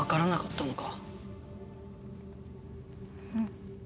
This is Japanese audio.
うん。